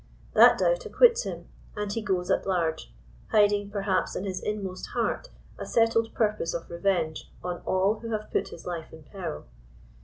That doubt acquits him, and he goes at large, hiding perhaps in his inmost heart a settled purpose of revenge on all who have put his life in peril.